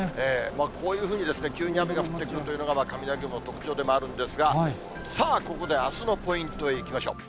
こういうふうに、急に雨が降ってくるというのが雷雲の特徴でもあるんですが、ここであすのポイントへいきましょう。